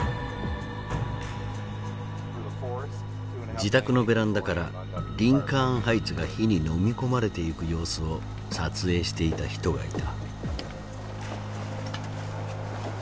自宅のベランダからリンカーン・ハイツが火にのみ込まれていく様子を撮影していた人がいた。